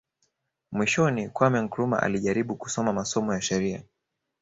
Mwishoni Kwame Nkrumah alijaribu kusoma masomo ya sheria